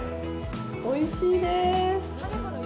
おいしいです。